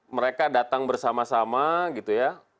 mereka datang bersama sama gitu ya